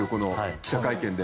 記者会見で。